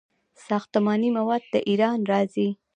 ساختماني مواد له ایران راځي.